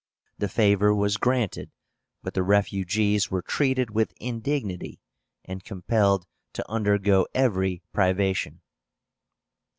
The favor was granted, but the refugees were treated with indignity, and compelled to undergo every privation.